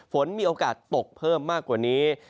ฝนมีโอกาสตกเพิ่มมากกว่านี้